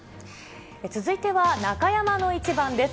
続いては中山のイチバンです。